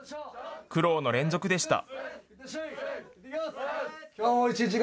苦労の連続でした。